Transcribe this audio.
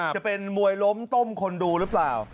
จะเป็นมวยล้มต้มคนดูหรือเปล่า